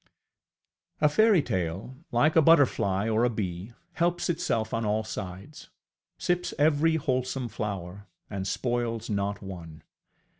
A fairytale, like a butterfly or a bee, helps itself on all sides, sips at every wholesome flower, and spoils not one.